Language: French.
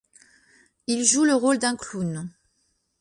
Il joue le rôle d'un clown.